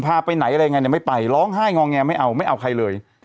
พาไปไหนยังไงไม่ไปร้องไห้งองแงไม่เอาไม่เอาใครเลย